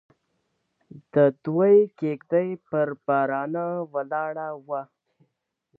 د دوی کږدۍ پر بارانه ولاړه وه.